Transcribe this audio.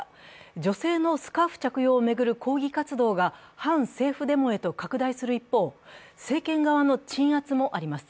女性のスカーフ着用を巡る抗議活動が反政府デモへと拡大する一方、政権側の鎮圧もあります。